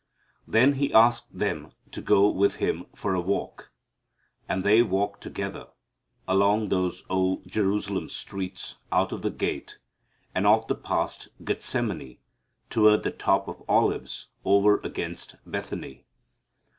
Then He asked them to go with Him for a walk. And they walk together along those old Jerusalem streets, out the gate and off past Gethsemane toward the top of Olives over against Bethany.